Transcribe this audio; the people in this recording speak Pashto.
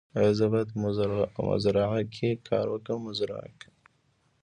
ایا زه باید په مزرعه کې کار وکړم؟